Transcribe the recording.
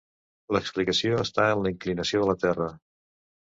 L'explicació està en la inclinació de la Terra.